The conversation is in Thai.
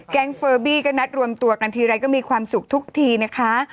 เฟอร์บี้ก็นัดรวมตัวกันทีไรก็มีความสุขทุกทีนะคะ